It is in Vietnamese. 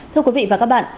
thưa quý vị và các bạn